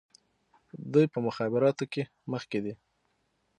دوی په مخابراتو کې مخکې دي.